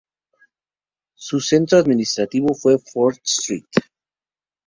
Su centro administrativo fue Fort St.